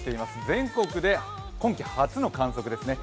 全国で今季初の観測ですね。